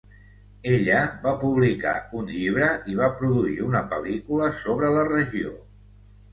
Ella va publicar un llibre i va produir una pel·lícula sobre la regió.